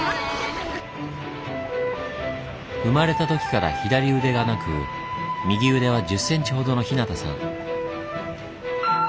生まれた時から左腕がなく右腕は１０ｃｍほどの日向さん。